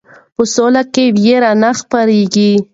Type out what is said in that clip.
په سوله کې ویره نه خپریږي.